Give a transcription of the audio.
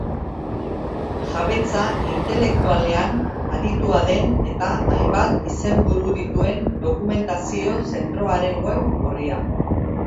Jabetza intelektualean aditua den eta hainbat izenburu dituen dokumentazio zentroaren web orria.